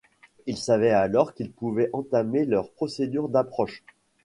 Ils savaient alors qu'ils pouvaient entamer leur procédure d'approche.